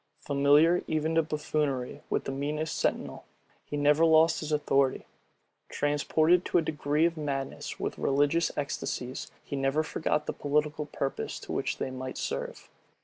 Familiar even to buffoonery with the meanest sentinel, he never lost his authority: transported to a degree of madness with religious ecstasies, he never forgot the political purposes to which they might serve.